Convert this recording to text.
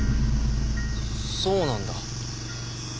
そうなんだ。